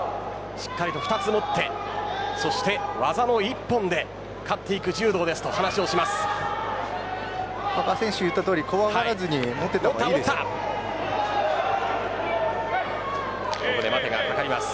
しっかりと二つ持ってそして技の一本で買っていく柔道ですという話を怖がらずに持っています。